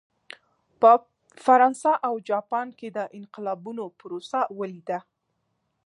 په فرانسه او جاپان کې د انقلابونو پروسه ولیده.